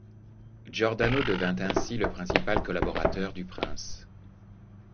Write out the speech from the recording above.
Giordano devint ainsi le principal collaborateur du prince.